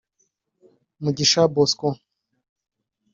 Mugisha Bosco